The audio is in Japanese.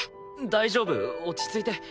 大丈夫落ち着いて。